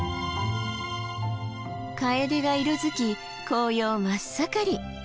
カエデが色づき紅葉真っ盛り。